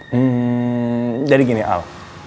hmm jadi gini al